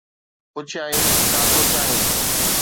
پڇيائين: ڇا ٿو چاهين؟